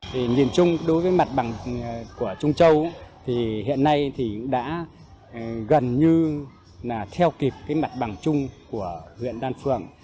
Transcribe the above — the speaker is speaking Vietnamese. thì nhìn chung đối với mặt bằng của trung châu thì hiện nay thì đã gần như là theo kịp cái mặt bằng chung của huyện đan phường